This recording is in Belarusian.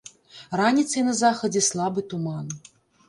Раніцай на захадзе слабы туман.